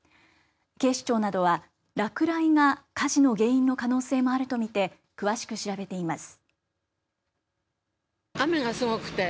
警視庁などは落雷が火事の原因の可能性もあると見て詳しく調べています。